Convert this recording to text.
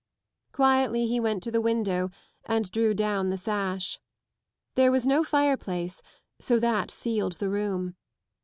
Quietly he went to the window and drew down the sash. There was no flre= place, so that sealed the room.